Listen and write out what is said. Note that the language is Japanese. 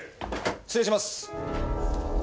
失礼します。